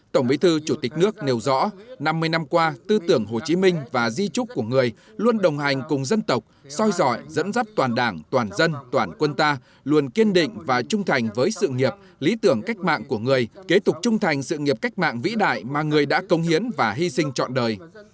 tổng bí thư chủ tịch nước nêu rõ năm mươi năm qua tư tưởng hồ chí minh và di trúc của người luôn đồng hành cùng dân tộc soi dọi dẫn dắt toàn đảng toàn dân toàn quân ta luôn kiên định và trung thành với sự nghiệp lý tưởng cách mạng của người kế tục trung thành sự nghiệp cách mạng vĩ đại mà người đã công hiến và hy sinh trọn đời